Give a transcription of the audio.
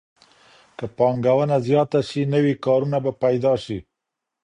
که پانګونه زیاته سي نوي کارونه به پیدا سي.